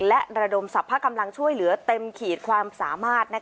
และระดมสรรพกำลังช่วยเหลือเต็มขีดความสามารถ